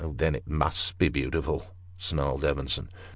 " Then it must be beautiful," snarled Evenson.